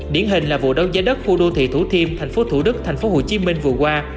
điển hình là vụ đấu giá đất khu đô thị thủ thiêm thành phố thủ đức thành phố hồ chí minh vừa qua